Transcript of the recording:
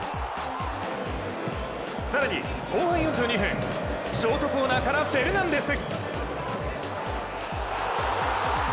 更に後半４２分、ショートコーナーからフェルナンデス！